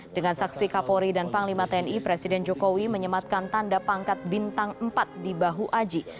dengan saksi kapolri dan panglima tni presiden jokowi menyematkan tanda pangkat bintang empat di bahu aji